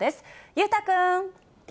裕太君。